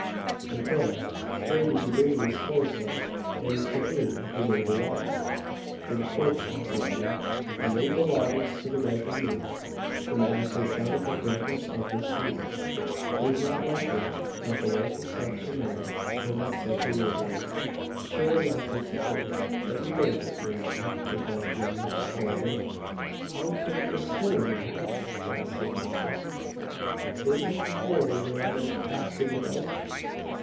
"And pray, where did you bring these clothes from, and to whom do they belong?" "From Portsmouth, your honour and they belongs to the wife o' me." The magistrate doubted the correctness of this statement it was not likely that the wife of such a man could have such a wardrobe. "Sure enough it's the truth, every bit of it, your honour," replied Jemmy Sullivan. "How came this hole in your hat?" asked his worship. "Is it the hole your honour's axing about?